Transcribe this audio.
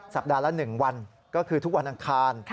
สัปดาห์ละ๑วันก็คือทุกวันอังคาร